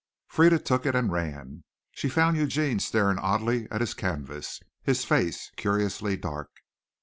Frieda took it and ran. She found Eugene staring oddly at his canvas, his face curiously dark.